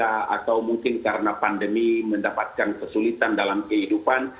atau mungkin karena pandemi mendapatkan kesulitan dalam kehidupan